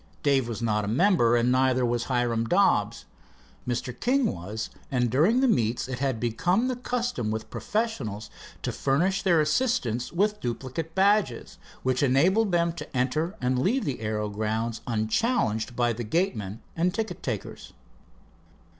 Dave was not a member and neither was Hiram Dobbs. Mr. King was and during the meets it had become the custom with professionals to furnish their assistants with duplicate badges, which enabled them to enter and leave the aero grounds unchallenged by the gateman, and ticket takers.